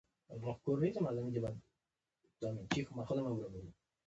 باچا وویل څنګه ځې.